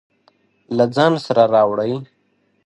له ځان سره راوړئ.